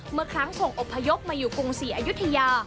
เมื่อครั้งส่งอบพยพมาอยู่กรุงศรีอายุทยา